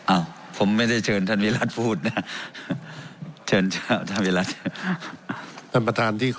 อ้าวผมไม่ได้เชิญท่านวีรัตรบูชนะครับเชิญท่านวีรัตร